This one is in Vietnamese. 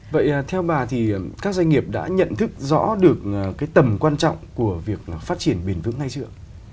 vậy theo bà thì các doanh nghiệp đã nhận thức rõ được cái tầm quan trọng của việc phát triển bền vững hay chưa ạ